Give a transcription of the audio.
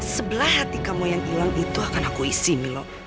sebelah hati kamu yang hilang itu akan aku isi milo